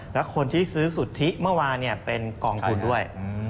แล้วคนที่ซื้อสุทธิเมื่อวานเป็นกองทุนด้วย